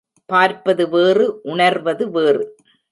பார்ப்பது வேறு உணர்வது வேறு.